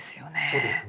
そうですね。